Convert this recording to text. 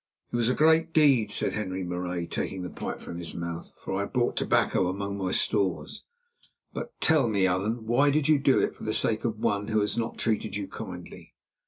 "It was a great deed," said Henri Marais, taking the pipe from his mouth, for I had brought tobacco among my stores. "But tell me, Allan, why did you do it for the sake of one who has not treated you kindly?"